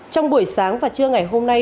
trong buổi sáng và trưa ngày hôm nay